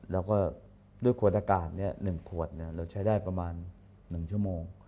แล้วก็ด้วยขวดอากาศ๑ขวดเราใช้ได้ประมาณ๑ชั่วโมง